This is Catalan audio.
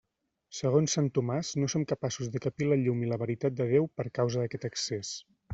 Segons sant Tomàs, no som capaços de capir la llum i la veritat de Déu per causa d'aquest excés.